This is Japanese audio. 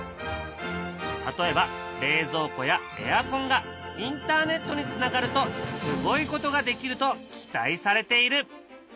例えば冷蔵庫やエアコンがインターネットにつながるとすごいことができると期待されている。